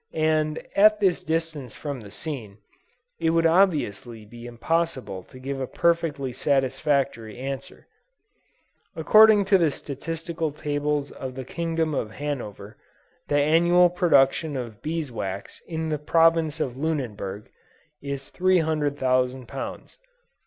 and at this distance from the scene, it would obviously be impossible to give a perfectly satisfactory answer. According to the statistical tables of the kingdom of Hannover, the annual production of bees wax in the province of Lunenburg, is 300,000 lbs.